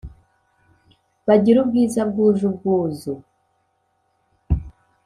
Bagire ubwiza bwuje ubwuzu